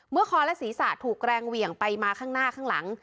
คอและศีรษะถูกแรงเหวี่ยงไปมาข้างหน้าข้างหลัง